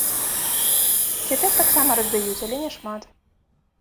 Цяпер таксама раздаюць, але няшмат.